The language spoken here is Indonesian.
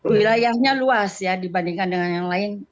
wilayahnya luas ya dibandingkan dengan yang lain